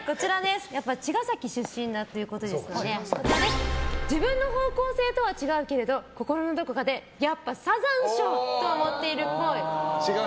やっぱり茅ヶ崎出身ということで自分の方向性とは違うけれど心のどこかでやっぱサザンっしょ！と思っているっぽい。